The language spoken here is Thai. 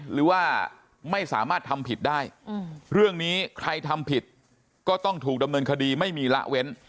หรือว่าไม่สามารถทำผิดได้เรื่องนี้ใครทำผิดก็ต้องถูกดำเนินคดีไม่มีละเว้น